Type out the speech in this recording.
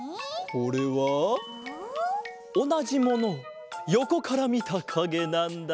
これはおなじものをよこからみたかげなんだ。